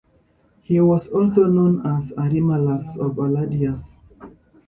He was also known as Aremulus or Alladius.